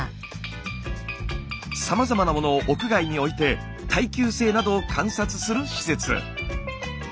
さまざまなものを屋外に置いて耐久性などを観察する施設。